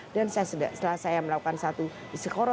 dan saya setelah saya melakukan satu isi koro